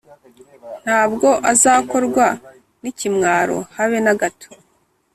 nta bwo azakorwa n’ikimwaro habe nagato